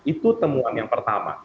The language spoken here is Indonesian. itu temuan yang pertama